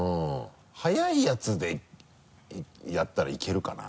早いやつでやったらいけるかな？